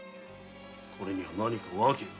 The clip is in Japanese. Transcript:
これには何か訳が。